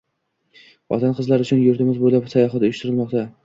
Xotin-qizlar uchun yurtimiz bo‘ylab sayohat uyushtirilmoqda